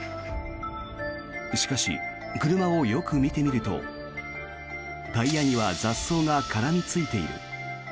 しかし、車をよく見てみるとタイヤには雑草が絡みついている。